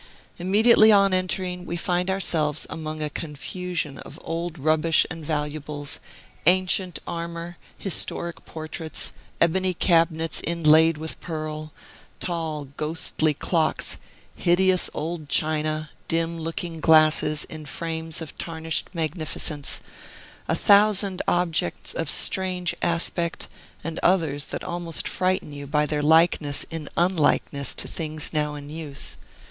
Immediately on entering, we find ourselves among a confusion of old rubbish and valuables, ancient armor, historic portraits, ebony cabinets inlaid with pearl, tall, ghostly clocks, hideous old china, dim looking glasses in frames of tarnished magnificence, a thousand objects of strange aspect, and others that almost frighten you by their likeness in unlikeness to things now in use.